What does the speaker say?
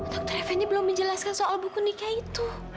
dokter eveny belum menjelaskan soal buku nikah itu